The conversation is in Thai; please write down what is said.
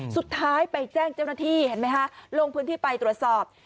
สุดท้ายไปแจ้งเจ้าหน้าที่เห็นไหมคะลงพื้นที่ไปตรวจสอบ